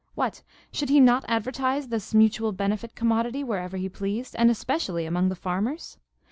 What! Should he not advertise this mutual benefit commodity wherever he pleased, and especially among the farmers?